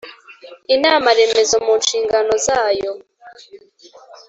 Inama remezo mu nshingano zayo